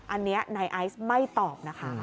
อันนี้นายไอซ์ไม่ตอบนะคะ